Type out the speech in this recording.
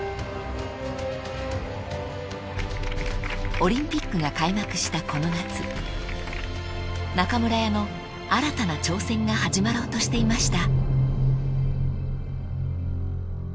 ［オリンピックが開幕したこの夏中村屋の新たな挑戦が始まろうとしていました］